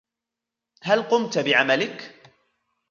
هل قمت بعملك؟